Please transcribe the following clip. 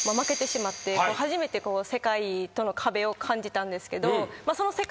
初めて世界との壁を感じたんですけど。